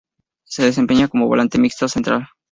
Se desempeña como volante Mixto central.